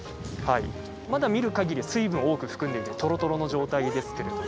まだ見るかぎり水分を多く含んでとろとろの状態ですけれども。